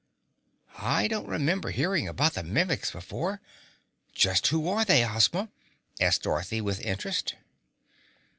"I don't remember hearing about the Mimics before. Just who are they, Ozma," asked Dorothy with interest.